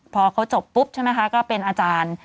พอเขาจบปุ๊บใช่ไหมคะก็เป็นอาจารย์